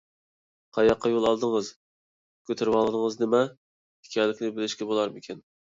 قاياققا يول ئالدىڭىز؟ كۆتۈرۈۋالغىنىڭىزنىڭ نېمە ئىكەنلىكىنى بىلىشكە بولارمىكىن؟